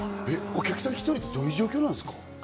お客さん１人ってどういう状況なんですか？